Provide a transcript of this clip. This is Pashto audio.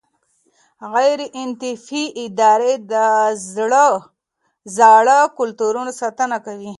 غیر انتفاعي ادارې د زاړه کلتورونو ساتنه کوي.